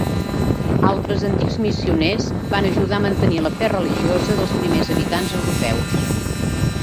Altres antics missioners van ajudar a mantenir la fe religiosa dels primers habitants europeus.